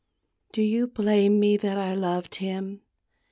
Do you blame me that I loved him?